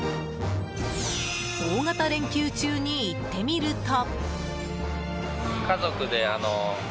大型連休中に行ってみると。